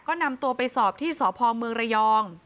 ก็นำตัวไปสอบที่สพเมืองระยอง